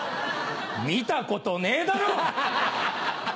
見たことねえだろ！